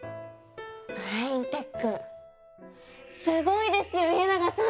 ブレインテックすごいですよ家長さん！